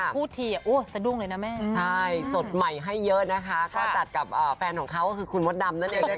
พูดทีอ่ะสดลุ่งเลยนะแม่งใช่สดใหม่ให้เยอะนะคะก็ตัดกับแฟนของเค้าคือคุณมดดำนั้นเองด้วยค่ะ